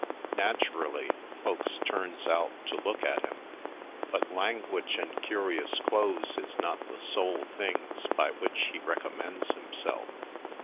Naturally, folks turns out to look Black Belt 147 at him; but language and curious clothes is not the sole things by which he recom mends himself.